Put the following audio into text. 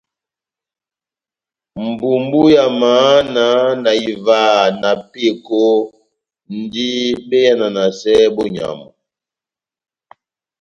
Mbumbu ya mahana na ivaha na peko ndi be yananasɛ bonyamu.